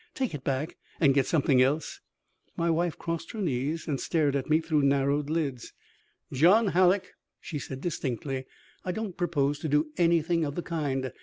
Take it back and get something else." My wife crossed her knees and stared at me through narrowed lids. "John Hallock," she said distinctly. "I don't propose to do anything of the kind.